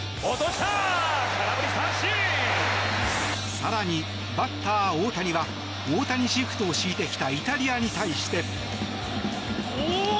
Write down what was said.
更に、バッター・大谷は大谷シフトを敷いてきたイタリアに対して。